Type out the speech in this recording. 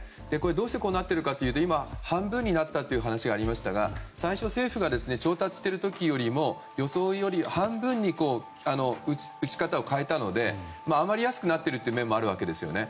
どうしてこうなっているかというと今、半分になったという話がありましたが最初、政府が調達している時よりも予想より半分に打ち方を変えたのであまりやすくなっているという面もあるわけですよね。